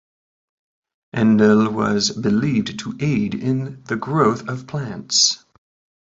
Enlil was believed to aid in the growth of plants.